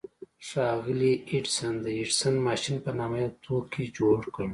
ښاغلي ايډېسن د ايډېسن ماشين په نامه يو توکی جوړ کړ.